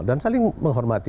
dan saling menghormati